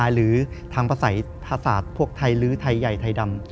หรือทางภาษาพวกไทยลื้อไทยใหญ่ไทยดำ